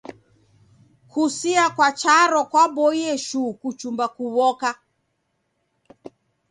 Kusia kwa charo kwaboie shuu kuchumba kuw'oka.